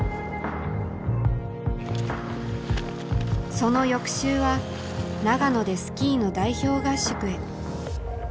その翌週は長野でスキーの代表合宿へ。